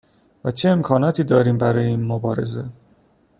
و چه امکاناتی داریم برای این مبارزه